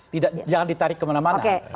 jangan ditarik kemana mana